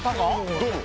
どうも。